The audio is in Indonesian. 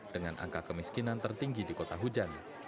dengan angka kemiskinan tertinggi di kota hujan